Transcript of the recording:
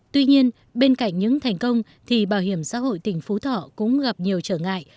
tuy nhiên bên cạnh những thành công thì bảo hiểm xã hội tỉnh phú thọ cũng gặp nhiều trở ngại